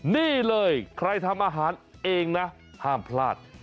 นี่เลยใครทำอาหารเองนะห้ามพลาด